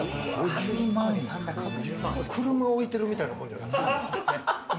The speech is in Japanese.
車、置いてるみたいなもんじゃないですか。